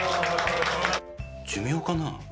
寿命かな？